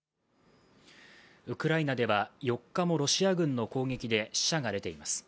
ウクライナでは４日もロシア軍の攻撃で死者が出ています。